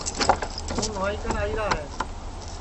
ہوں نُوائی کن آئیرا ہے